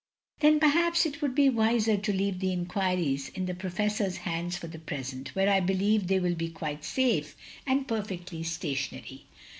" "Then perhaps it would be wiser to leave the enquiries in the Professor's hands for the present where I believe they will be quite safe, and per fectly stationary.